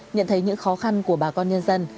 nhận thấy những khó khăn của bà con nhân dân